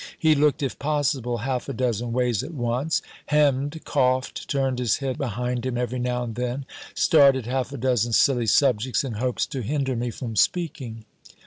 He looked, if possible, half a dozen ways at once, hemm'd, coughed, turned his head behind him every now and then, started half a dozen silly subjects, in hopes to hinder me from speaking.